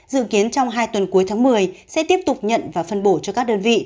dự kiến trong hai tuần cuối tháng một mươi sẽ tiếp tục nhận và phân bổ cho các đơn vị